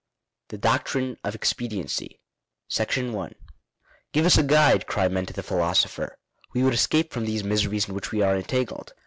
THE DOCTRINE OF EXPEDIENCY. § i. "Give us a guide," cry men to the philosopher. "We would escape from these miseries in which we are entangled.